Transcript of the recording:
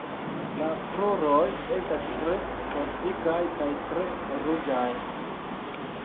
La kruroj estas tre fortikaj kaj tre ruĝaj.